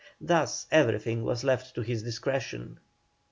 Thus everything was left to his discretion.